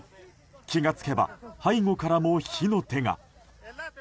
気が付けば背後からも火の手が。